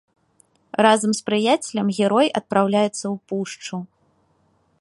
Разам з прыяцелем герой адпраўляецца ў пушчу.